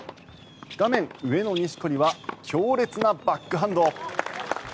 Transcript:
画面上の錦織は強烈なバックハンド。